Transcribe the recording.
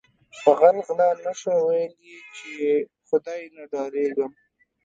په غل غلا نشوه ویل یی چې ی خدای نه ډاریږم